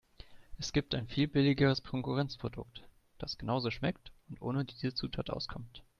Es gibt ein viel billigeres Konkurrenzprodukt, das genauso schmeckt und ohne diese Zutat auskommt.